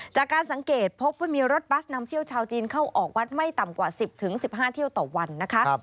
จากการสังเกตพบว่ามีรถบัสนำเที่ยวชาวจีนเข้าออกวัดไม่ต่ำกว่า๑๐๑๕เที่ยวต่อวันนะคะ